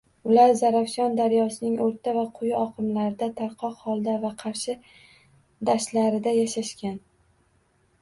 Ular Zarafshon daryosining o‘rta va quyi oqimlarida tarqoq holda va Qarshi dashtlarida yashashgan.